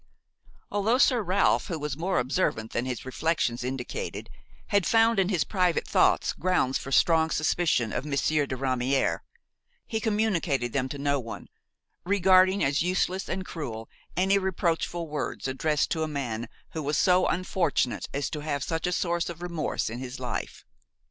Although Sir Ralph, who was more observant than his reflections indicated, had found in his private thoughts grounds for strong suspicion of Monsieur de Ramière, he communicated them to no one, regarding as useless and cruel any reproachful words addressed to a man who was so unfortunate as to have such a source of remorse in his life.